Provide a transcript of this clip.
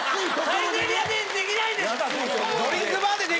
サイゼリヤでできないんですか